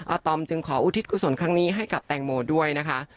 ตอมจึงขออุทิศกุศลครั้งนี้ให้กับแตงโมด้วยนะคะ